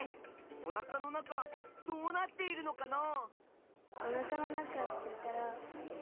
おなかの中どうなっているのかな？